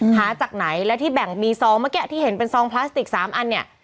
หาจากไหนและที่แบ่งมีซองเมื่อกี้ที่เห็นเป็นซองพลาสติก๓อันเนี่ย